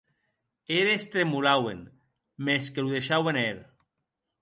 Eres tremolauen, mès que lo deishauen hèr.